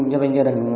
do bên gia đình